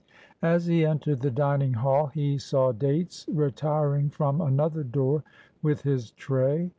As he entered the dining hall, he saw Dates retiring from another door with his tray.